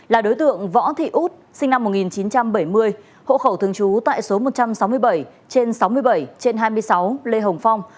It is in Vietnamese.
là đối tượng võ thị út sinh năm một nghìn chín trăm bảy mươi hộ khẩu thường trú tại số một trăm sáu mươi bảy trên sáu mươi bảy trên hai mươi sáu lê hồng phong